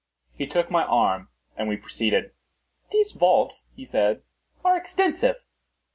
He again took my arm, and we proceeded. "These vaults," he said, "are extensive."